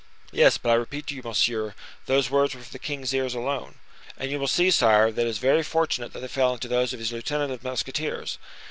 "Yes; but I repeat to you, monsieur, those words were for the king's ears alone." "And you will see, sire, that it is very fortunate that they fell into those of his lieutenant of musketeers.